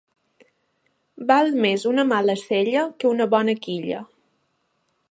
Val més una mala sella que una bona quilla.